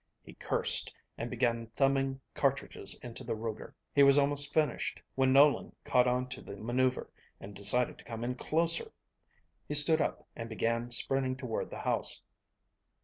He cursed and began thumbing cartridges into the Ruger. He was almost finished, when Nolan caught onto the maneuver and decided to come in closer. He stood up and began sprinting toward the house.